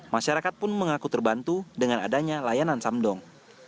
masyarakat pun mengaku terbantu dengan adanya layanan samdong